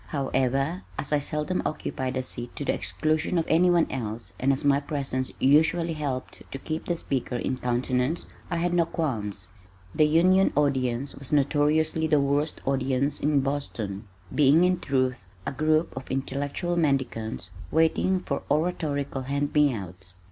However, as I seldom occupied a seat to the exclusion of anyone else and as my presence usually helped to keep the speaker in countenance, I had no qualms. The Union audience was notoriously the worst audience in Boston, being in truth a group of intellectual mendicants waiting for oratorical hand me outs.